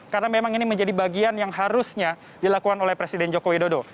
karena memang ini menjadi bagian yang harusnya dilakukan oleh presiden joko widodo